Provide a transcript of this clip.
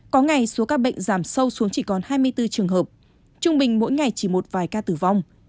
có ngày số ca bệnh giảm sâu xuống chỉ còn hai mươi bốn trường hợp trung bình mỗi ngày chỉ một vài ca tử vong